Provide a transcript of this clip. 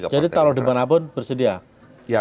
jadi taruh dimanapun bersedia